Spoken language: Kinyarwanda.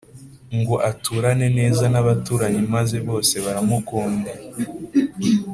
Ngo aturane neza nabaturanyi maze bose baramukunda